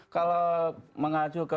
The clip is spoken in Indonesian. kalau mengacu ke